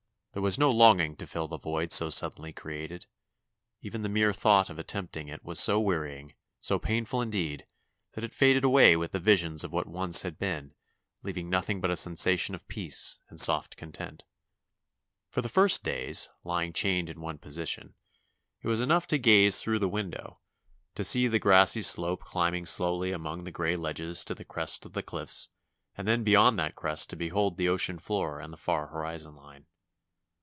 There was no longing to fill the void so sud denly created. Even the mere thought of attempting it was so wearying, so painful indeed, that it faded away with the visions of what once had been, leaving nothing but a sensation of peace and soft content. For the first days, l5ang chained to one position, it 274 DIVERSIONS OF A CONVALESCENT 275 was enough to gaze through the window: to see the grassy slope climbing slowly among the gray ledges to the crest of the cliffs and then beyond that crest to behold the ocean floor and the far horizon line.